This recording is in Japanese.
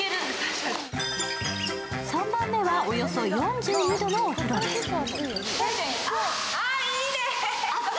３番目はおよそ４２度のお風呂です。